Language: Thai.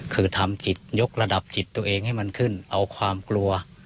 คือทำจิตยกระดับจิตตัวเองให้มันขึ้นเอาความกลัว